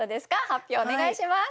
発表お願いします！